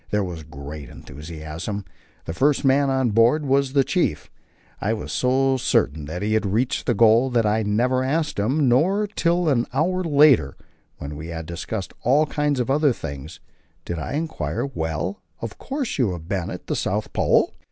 There was great enthusiasm. The first man on board was the Chief; I was so certain he had reached the goal that I never asked him. Not till an hour later, when we had discussed all kinds of other things, did I enquire "Well, of course you have been at the South Pole?"